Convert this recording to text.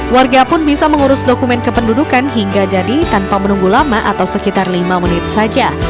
warga pun bisa mengurus dokumen kependudukan hingga jadi tanpa menunggu lama atau sekitar lima menit saja